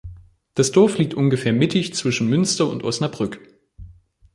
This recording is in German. Das Dorf liegt ungefähr mittig zwischen Münster und Osnabrück.